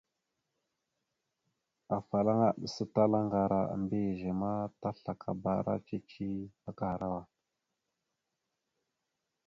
Afalaŋa aɗəsatalá ŋgar a mbiyez ma, taslakabara cici akahərawa.